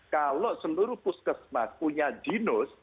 kalau seluruh puskesmas punya ginos